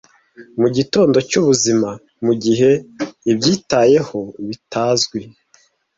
Mugitondo cyubuzima, mugihe ibyitayeho bitazwi,